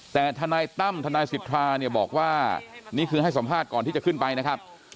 แต่ทนายตั้มทนายสิทธาเนี่ยบอกว่านี่คือให้สัมภาษณ์ก่อนที่จะขึ้นไปนะครับ